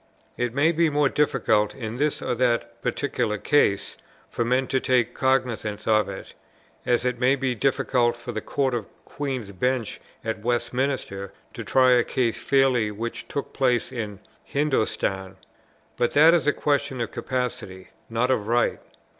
It may be more difficult in this or that particular case for men to take cognizance of it, as it may be difficult for the Court of Queen's Bench at Westminster to try a case fairly which took place in Hindostan: but that is a question of capacity, not of right.